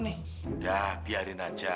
udah biarin aja